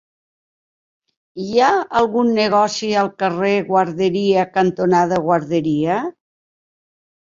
Hi ha algun negoci al carrer Guarderia cantonada Guarderia?